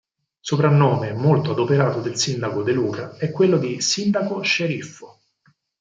Soprannome molto adoperato del sindaco De Luca è quello di "sindaco sceriffo".